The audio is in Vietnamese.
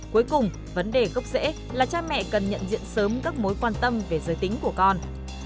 cuối cùng vấn đề gốc rễ là cha mẹ cần nhận diện sớm các mối quan tâm về giới tính của con